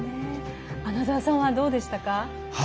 穴澤さんはどうでしたか？